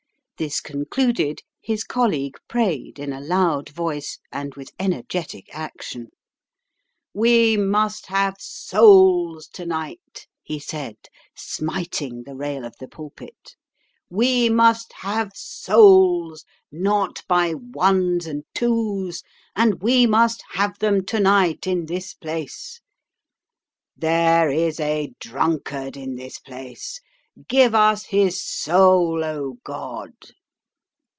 This concluded, his colleague prayed, in a loud voice, and with energetic action. "We must have souls to night," he said, smiting the rail of the pulpit; "we must have souls not by ones and twos and we must have them to night in this place. There is a drunkard in this place. Give us his soul, O God!